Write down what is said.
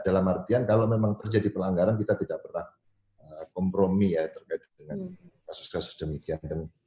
dalam artian kalau memang terjadi pelanggaran kita tidak pernah kompromi ya terkait dengan kasus kasus demikian